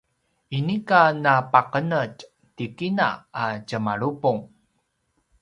inika napaqenetj ti kina a tjemalupung